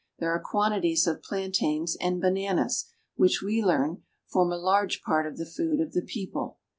There are quantities of plantains and bananas, which, we learn, form a large part of the food of the people.